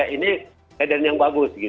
ini sedan yang bagus